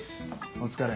お疲れ。